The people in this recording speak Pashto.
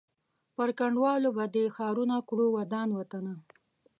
پر کنډوالو به دي ښارونه کړو ودان وطنه